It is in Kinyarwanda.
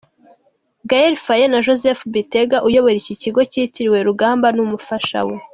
Gael Faye na Joseph Bitega uyobora iki kigo kitiriwe Rugamba n'umufasha we.